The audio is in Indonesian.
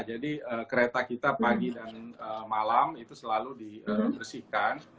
jadi kereta kita pagi dan malam itu selalu diersihkan